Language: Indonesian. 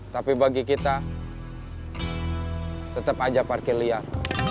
tapi bagi kita tetap aja parkir liar